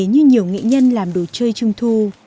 như nhiều nghệ nhân làm đồ chơi trung thu